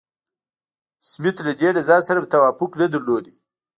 سمیت له دې نظر سره توافق نه درلود.